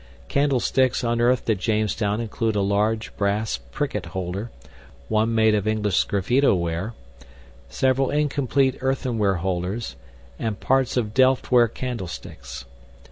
Candlesticks unearthed at Jamestown include a large brass pricket holder, one made of English sgraffito ware, several incomplete earthenware holders, and parts of delftware candlesticks.